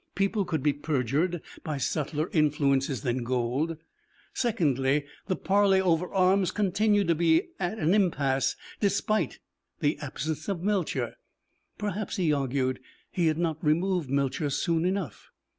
People could be perjured by subtler influences than gold. Secondly, the parley over arms continued to be an impasse despite the absence of Melcher. Perhaps, he argued, he had not removed Melcher soon enough.